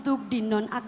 tuhan di atasku